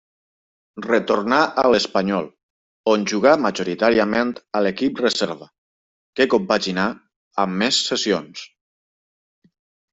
Retornà a l'Espanyol on jugà majoritàriament a l'equip reserva, que compaginà amb més cessions.